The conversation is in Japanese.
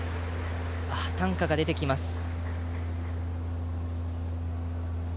担架が出てきました。